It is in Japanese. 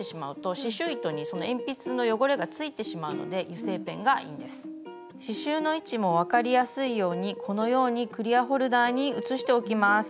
刺しゅうの位置も分かりやすいようにこのようにクリアホルダーに写しておきます。